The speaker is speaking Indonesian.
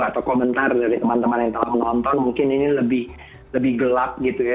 atau komentar dari teman teman yang telah menonton mungkin ini lebih gelap gitu ya